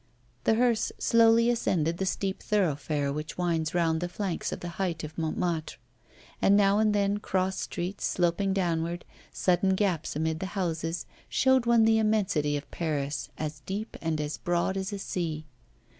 The hearse slowly ascended the steep thoroughfare which winds round the flanks of the height of Montmartre; and now and then cross streets, sloping downward, sudden gaps amid the houses, showed one the immensity of Paris as deep and as broad as a sea.